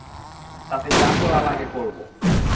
তাতে যা করা লাগে করবো।